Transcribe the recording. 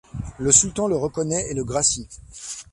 Le Sultan le reconnaît et le gracie.